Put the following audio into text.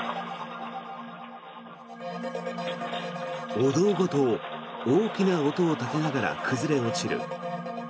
お堂ごと大きな音を立てながら崩れ落ちる。